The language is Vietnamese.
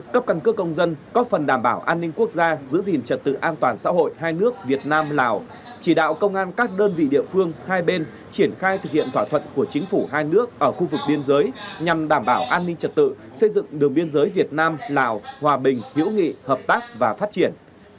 cấp căn cước công dân có phần đảm bảo an ninh quốc gia giữ gìn trật tự an toàn xã hội hai nước việt nam lào chỉ đạo công an các đơn vị địa phương hai bên triển khai thực hiện thỏa thuận của chính phủ hai nước ở khu vực biên giới nhằm đảm bảo an ninh trật tự xây dựng đường biên giới việt nam lào hòa bình hữu nghị hợp tác và phát triển